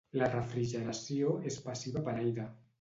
La refrigeració és passiva per aire.